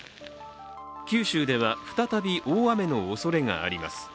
九州では再び大雨のおそれがあります。